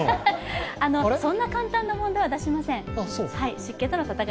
そんな簡単な問題は出しません。